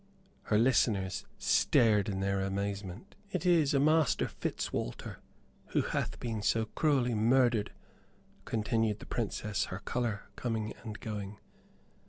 Her listeners stared in their amazement. "It is a Master Fitzwalter who hath been so cruelly murdered," continued the Princess, her color coming and going.